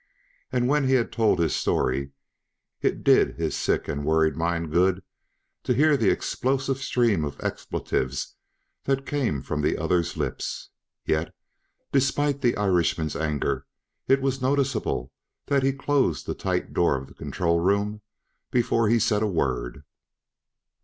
And, when he had told his story, it did his sick and worried mind good to hear the explosive stream of expletives that came from the other's lips. Yet, despite the Irishman's anger, it was noticeable that he closed the tight door of the control room before he said a word.